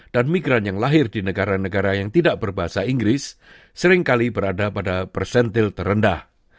dan migran yang lahir di negara negara yang tidak berbahasa inggris seringkali berada pada persentil terendah